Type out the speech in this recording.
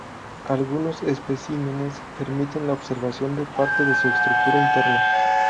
Algunos especímenes permiten la observación de parte de su estructura interna.